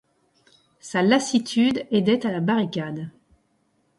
Sa lassitude aidait à la barricade.